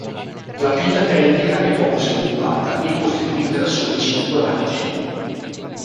La pinna pelvica è poco sviluppata e costituita da soli cinque raggi.